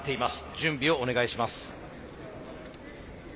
準備をお願いします。